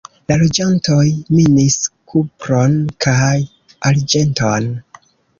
La loĝantoj minis kupron kaj arĝenton.